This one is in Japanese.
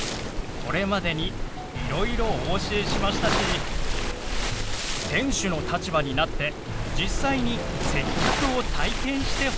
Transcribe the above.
これまでにいろいろお教えしましたし店主の立場になって実際に接客を体験してほしかったんですよ。